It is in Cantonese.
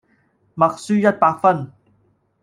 默書一百分